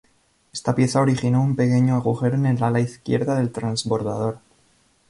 Esta pieza originó un pequeño agujero en el ala izquierda del transbordador.